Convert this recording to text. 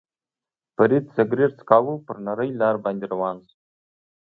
فرید سګرېټ څکاوه، پر نرۍ لار باندې روان شو.